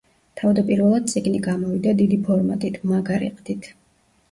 თავდაპირველად წიგნი გამოვიდა დიდი ფორმატით, მაგარი ყდით.